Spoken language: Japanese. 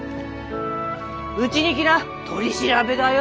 うちに来な取り調べだよ。